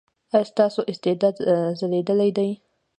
ایا ستاسو استعداد ځلیدلی دی؟